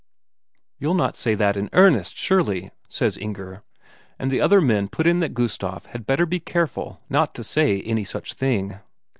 "You'll not say that in earnest surely?" says Inger. And the other men put in that Gustaf had better be careful not to say any such thing.